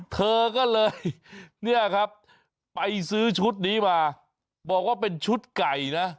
เธอก็เลยเนี่ยครับไปซื้อชุดนี้มาบอกว่าเป็นชุดไก่นะ